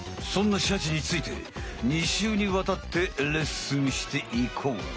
そんなシャチについて２しゅうにわたってレッスンしていこう。